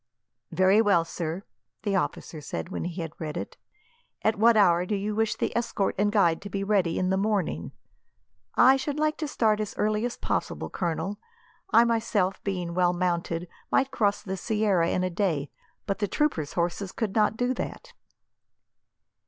"Very well, sir," the officer said, when he had read it. "At what hour do you wish the escort and guide to be ready in the morning?" "I should like to start as early as possible, Colonel. I myself, being well mounted, might cross the sierra in a day; but the troopers' horses could not do that."